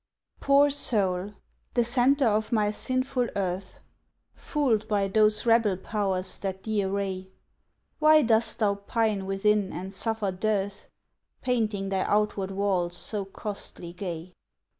Poor soul, the centre of my sinful earth, Fooled by those rebel powers that thee array, Why dost thou pine within and suffer dearth, Painting thy outward walls so costly gay?